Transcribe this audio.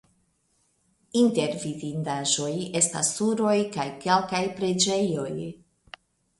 Inter vidindaĵoj estas turoj kaj kelkaj preĝejoj.